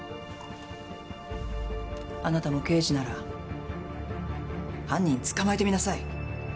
あなたも刑事なら犯人捕まえてみなさい！